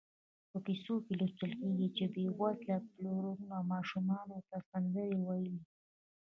په کیسو کې لوستل کېږي چې بېوزله پلرونو ماشومانو ته سندرې ویلې.